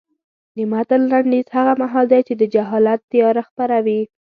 د متن لنډیز هغه مهال دی چې د جهالت تیاره خپره وه.